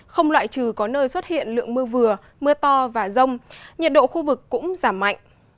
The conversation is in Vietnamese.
không loại trừ có nơi xuất hiện lượng mưa vừa mưa to và rông nhiệt độ khu vực cũng giảm mạnh